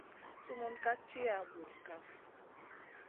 Sumun ka tiya bura kaf.